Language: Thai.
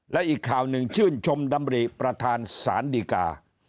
และอีกข่าวหนึ่งชื่นชมดำริประธานสารดีกา